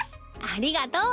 ありがとう。